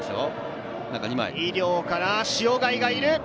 井料から塩貝がいる。